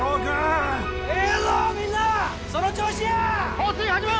放水始め！